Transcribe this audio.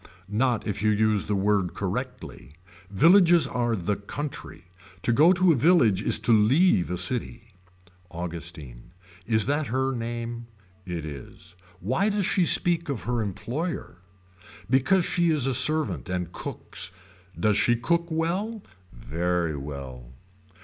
Not if you use the word correctly. Villages are the country. To go to a village is to leave a city. Augustine. Is that her name. It is. Why does she speak of her employer. Because she is a servant and cooks. Does she cook well. Very well.